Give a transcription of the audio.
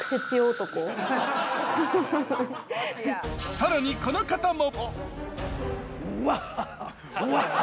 さらにこの方も。